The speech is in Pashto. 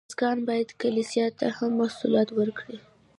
بزګران باید کلیسا ته هم محصولات ورکړي.